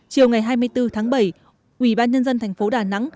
chiều ngày hai mươi bốn tháng bảy ủy ban nhân dân thành phố đà nẵng